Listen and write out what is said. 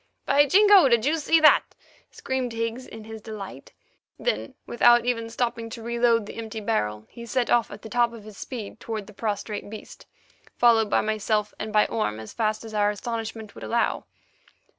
"By Jingo! Did you see that?" screamed Higgs in his delight. Then, without even stopping to reload the empty barrel, he set off at the top of his speed toward the prostrate beast, followed by myself and by Orme, as fast as our astonishment would allow.